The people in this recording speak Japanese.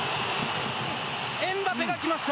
エムバペが来ました。